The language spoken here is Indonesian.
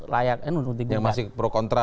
layak yang masih pro kontra